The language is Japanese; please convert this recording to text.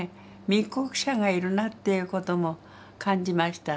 密告者がいるなっていう事も感じました。